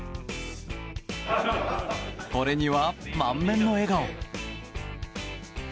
これには満面の笑顔。